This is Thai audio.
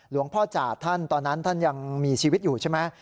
พ่อจาดท่านตอนนั้นท่านยังมีชีวิตอยู่ใช่ไหม